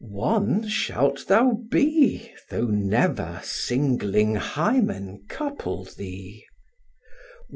one shalt thou be, Though never singling Hymen couple thee.